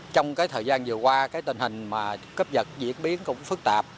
trong thời gian vừa qua tình hình cướp giật diễn biến cũng phức tạp